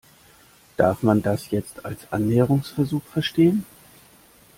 Darf man das jetzt als Annäherungsversuch verstehen?